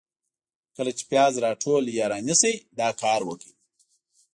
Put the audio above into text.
کله چي پیاز راټول یا رانیسئ ، دا کار وکړئ: